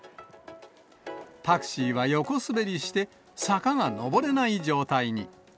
タクシーは横滑りして、坂が上れない状態に。